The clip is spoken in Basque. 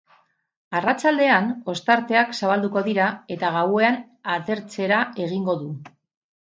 Arratsaldean ostarteak zabalduko dira eta gauean atertzera egingo du.